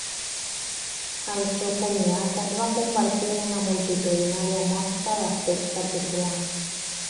El seu comiat es va convertir en una multitudinària mostra d'afecte popular.